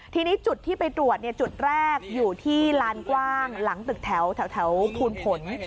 ทีนี้จุดที่ไปตรวจจุดแรกอยู่ที่ลานกว้างหลังตึกแถวภูลผล